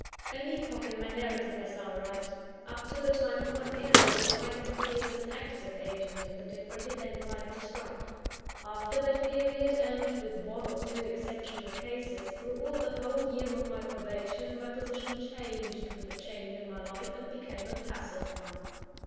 I. AN epoch in my narrative has now arrived. Up to the time of my marriage, I have appeared as an active agent in the different events I have described. After that period, and with one or two exceptional cases throughout the whole year of my probation, my position changed with the change in my life, and became a passive one.